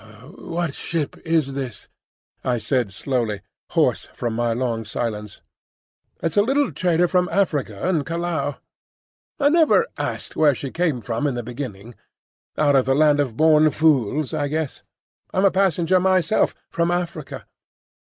"What ship is this?" I said slowly, hoarse from my long silence. "It's a little trader from Arica and Callao. I never asked where she came from in the beginning,—out of the land of born fools, I guess. I'm a passenger myself, from Arica.